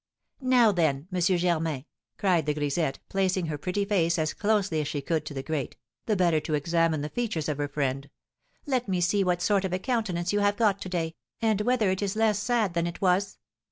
"Now then, M. Germain," cried the grisette, placing her pretty face as closely as she could to the grate, the better to examine the features of her friend, "let me see what sort of a countenance you have got to day, and whether it is less sad than it was?